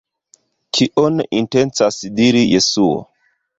Kion intencas diri Jesuo?